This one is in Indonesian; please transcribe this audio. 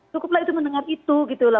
cukuplah itu mendengar itu gitu loh